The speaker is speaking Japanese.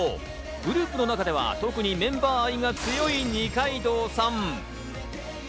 グループの中では特にメンバー愛が強い二階堂さん。